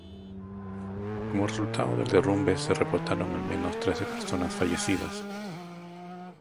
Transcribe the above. Como resultado del derrumbe se reportaron al menos trece personas fallecidas.